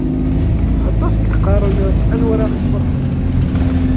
Aṭas i yeqqaren: Anwa ara aɣ-isferḥen?